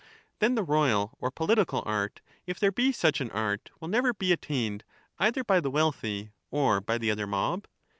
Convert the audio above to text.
Then the royal or political art, if there be such an art, will never be attained either by the wealthy or by the other mob.